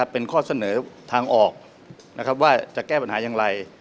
เป็นข้อเสนอทางออกว่าจะแก้ปัญหาอย่างไร